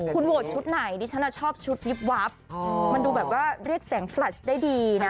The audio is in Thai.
คุณโหวตชุดไหนดิฉันชอบชุดวิบวับมันดูแบบว่าเรียกแสงแฟลชได้ดีนะ